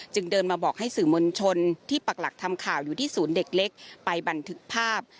เดินมาบอกให้สื่อมวลชนที่ปักหลักทำข่าวอยู่ที่ศูนย์เด็กเล็กไปบันทึกภาพ